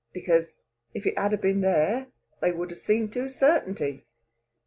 Because, if it had 'a been there, they would have seen to a certainty.